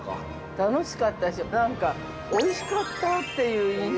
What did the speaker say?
◆楽しかったしなんか、おいしかったっていう印象。